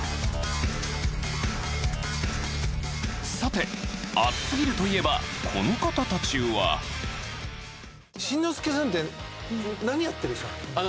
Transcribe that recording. さて、熱すぎるといえばこの方たちは真之介さんって何やってる人なの？